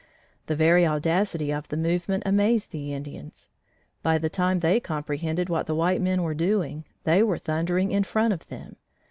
The very audacity of the movement amazed the Indians. By the time they comprehended what the white men were doing, they were thundering in front of them.